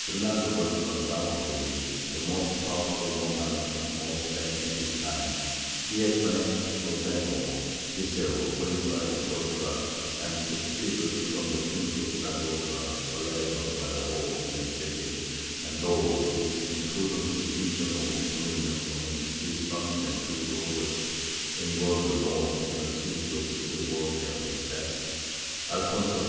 Fernando was undoubtedly the most powerful monarch in all Spain at this time; he had annexed Lormego, Viseu, and Coimbra in Portugal, and took tribute from the kings of Zaragoza, Toledo, Badajoz, and Seville; and though his imprudent division of his dominions among his three sons and two daughters involved the north in a series of civil wars after his death, Alfonso VI.